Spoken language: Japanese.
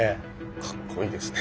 かっこいいですね。